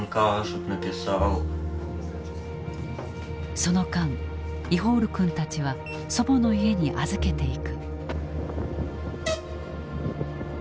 その間イホール君たちは祖母の家に預けていく。